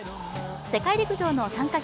世界陸上の参加